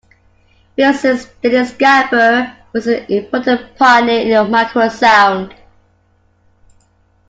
Physicist Dennis Gabor was an important pioneer in microsound.